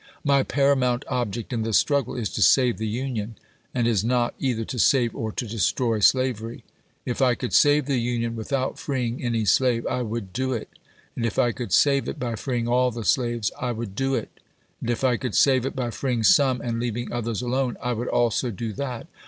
My paramount object in this struggle is to save the Union, and is not either to save or to destroy slavery. If I could save the Union without freeing any slave, I would do it ; and if I could save it by freeing all the slaves, I would do it ; and if I could save it by freeing some and leaving others alone, I would also do that.